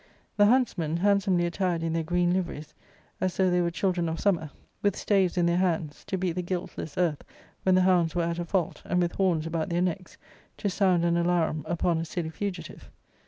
The huntsmen, handsomely attired in their green liveries, as though they were children of summer, with staves in their hands, to beat | the guiltless earth when the hounds were at a fault, and with horns about their necks, to sound an alarum upon a silly fugitive.